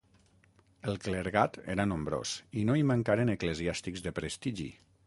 El clergat era nombrós i no hi mancaren eclesiàstics de prestigi.